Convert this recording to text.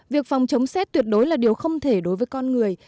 việc phòng chống xét tuyệt đối là điều không thể đối với con người